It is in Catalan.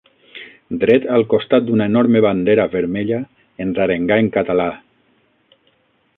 Dret al costat d'una enorme bandera vermella, ens arengà en català.